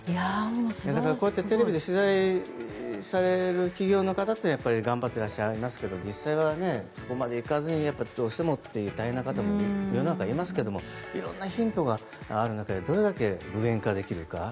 テレビで取材される企業の方って頑張っていらっしゃいますけど実際はそこまでいかずにどうしてもという大変な方も世の中にありますけれど色んなヒントがある中でどれだけ具現化できるか。